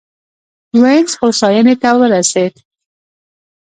وینز هوساینې ته ورسېد.